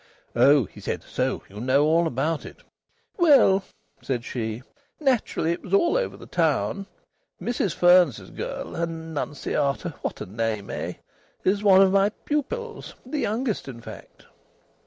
"Oh!" he said. "So you know all about it?" "Well," said she, "naturally it was all over the town. Mrs Fearns's girl, Annunciata what a name, eh? is one of my pupils the youngest, in fact."